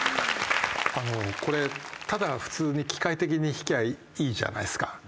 これただ普通に機械的に弾きゃいいじゃないですか。